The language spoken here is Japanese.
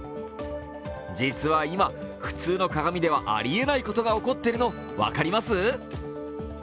実は今、普通の鏡ではあり得ないことが起こっているの、分かります？